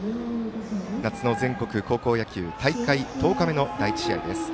夏の全国高校野球大会１０日目の第１試合です。